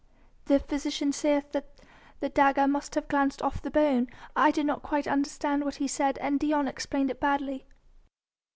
"The physician saith that the dagger must have glanced off the bone. I did not quite understand what he said, and Dion explained it badly."